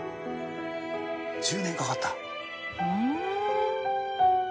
１０年かかった！